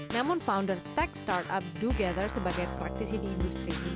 namun founder tech startup duther sebagai praktisi di industri ini